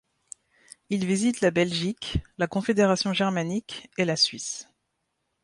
Il visite la Belgique, la Confédération germanique et la Suisse.